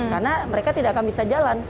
karena mereka tidak akan bisa jalan